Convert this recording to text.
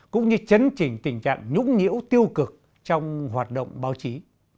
cũng như chấn trình tình trạng nhũng nhũ tiêu cực trong hoạt động báo chí